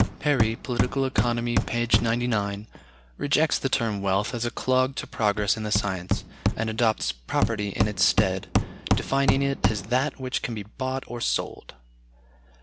Perry ("Political Economy," p. 99) rejects the term wealth as a clog to progress in the science, and adopts property in its stead, defining it as that "which can be bought or sold."